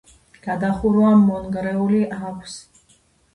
გადახურვა მონგრეული აქვს.